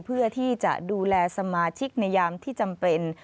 เพื่อที่จะดูแลสมาชิกในยามที่จำเป็น